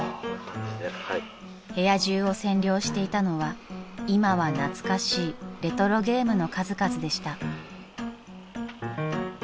［部屋中を占領していたのは今は懐かしいレトロゲームの数々でした］